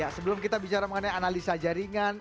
sebelum kita bicara mengenai analisa jaringan